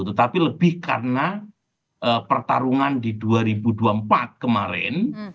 tetapi lebih karena pertarungan di dua ribu dua puluh empat kemarin